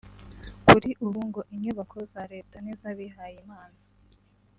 Kuri ubu ngo inyubako za Leta n’iz’Abihayimana